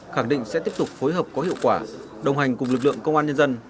khẳng định sẽ tiếp tục phối hợp có hiệu quả đồng hành cùng lực lượng công an nhân dân